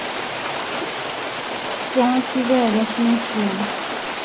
Chao kivelya kimesia.